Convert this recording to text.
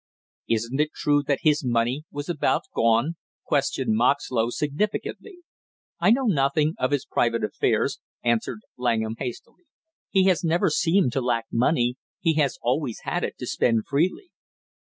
"Isn't it true that his money was about gone?" questioned Moxlow significantly. "I know nothing of his private affairs," answered Langham hastily. "He has never seemed to lack money; he has always had it to spend freely."